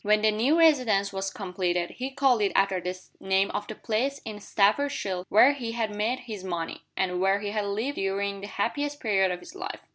When the new residence was completed, he called it after the name of the place in Staffordshire where he had made his money, and where he had lived during the happiest period of his life.